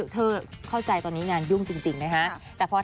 เธอเข้าใจนี้งานยุ่งจริงด้วย